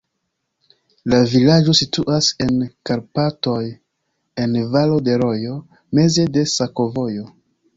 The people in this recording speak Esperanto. La vilaĝo situas en Karpatoj, en valo de rojo, meze de sakovojo.